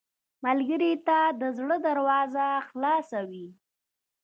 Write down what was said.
ملګری ته د زړه دروازه خلاصه وي